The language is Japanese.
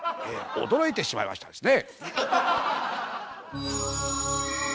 驚いてしまいましたですね。